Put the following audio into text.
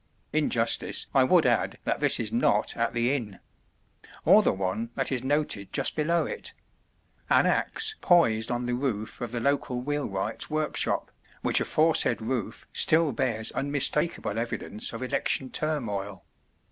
(in justice I would add that this is not at the inn); or the one that is noted just below it an axe poised on the roof of the local wheelwright's workshop, which aforesaid roof still bears unmistakable evidence of election turmoil.